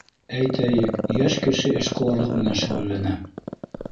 Әйтәйек, йәш кеше эшҡыуарлыҡ менән шөғөлләнә.